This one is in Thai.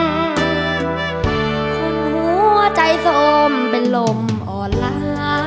คุณหัวใจโทรมเป็นลมอ่อนหลาก